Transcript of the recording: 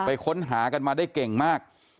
ค้นหากันมาได้เก่งมาก